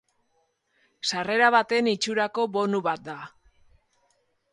Sarrera baten itxurako bonu bat da.